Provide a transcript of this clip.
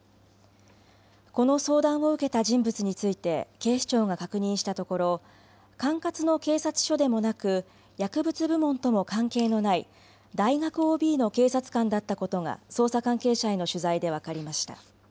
この相談を受けた人物について警視庁が確認したところ管轄の警察署でもなく薬物部門とも関係のない大学ＯＢの警察官だったことが捜査関係者への取材で分かりました。